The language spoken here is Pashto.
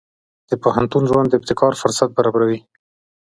د پوهنتون ژوند د ابتکار فرصت برابروي.